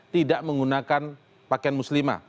tidak menggunakan pakaian muslimah